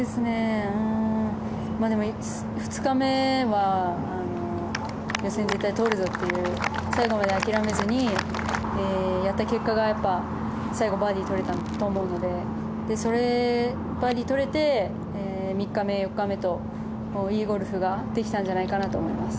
でも、２日目は予選、絶対通るぞという最後まで諦めずにやった結果が最後、バーディー取れたと思うのでバーディーを取れて３日目、４日目といいゴルフができたんじゃないかなと思います。